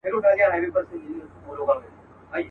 د قاضي په نصیحت کي ثمر نه وو.